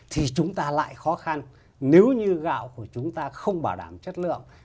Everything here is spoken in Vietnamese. thì chúng ta lại khó khăn nếu như gạo của chúng ta không bảo đảm chất lượng